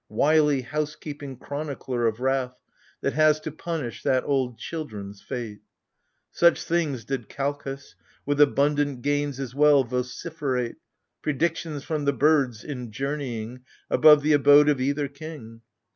Wily house keeping chronicler of wrath, That has to punish that old children's fate !" Such things did Kalchas, — with abundant gains As well, — vociferate, Predictions from the birds, in journeying. Above the abode of either king.